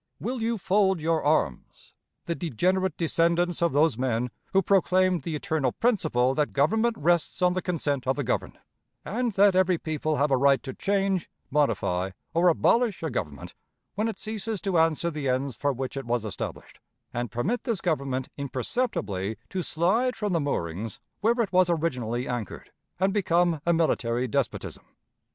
Will you fold your arms, the degenerate descendants of those men who proclaimed the eternal principle that government rests on the consent of the governed; and that every people have a right to change, modify, or abolish a government when it ceases to answer the ends for which it was established, and permit this Government imperceptibly to slide from the moorings where it was originally anchored, and become a military despotism?